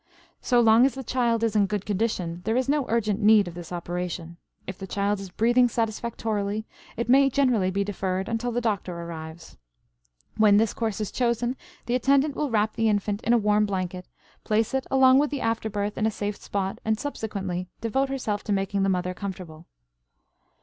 So long as the child is in good condition there is no urgent need of this operation. If the child is breathing satisfactorily it may generally be deferred until the doctor arrives. When this course is chosen the attendant will wrap the infant in a warm blanket, place it along with the after birth in a safe spot, and subsequently devote herself to making the mother comfortable.